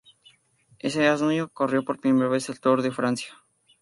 Ese año corrió por primera vez el Tour de Francia.